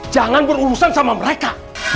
jangan berurusan sama mereka